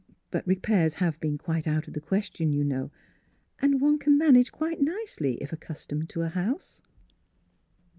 But re pairs have been quite out of the question, you know. And one can manage quite nicely, if accustomed to a house."